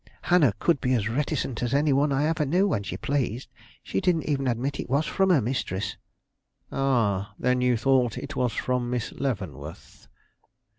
Hannah could be as reticent as any one I ever knew, when she pleased. She didn't even admit it was from her mistress." "Ah! then you thought it was from Miss Leavenworth?"